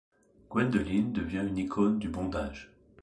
Gwendoline devient une icône du bondage.